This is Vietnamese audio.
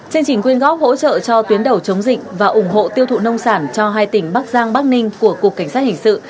chương trình quyên góp hỗ trợ cho tuyến đầu chống dịch và ủng hộ tiêu thụ nông sản cho hai tỉnh bắc giang bắc ninh của cục cảnh sát hình sự